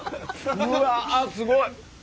うわすごい！